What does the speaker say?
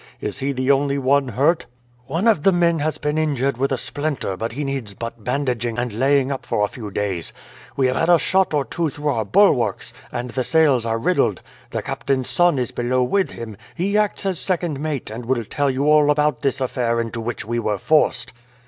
Is he the only one hurt?" "One of the men has been injured with a splinter, but he needs but bandaging and laying up for a few days. We have had a shot or two through our bulwarks, and the sails are riddled. The captain's son is below with him; he acts as second mate, and will tell you all about this affair into which we were forced."